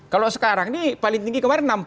kalau sekarang ini paling tinggi kemarin enam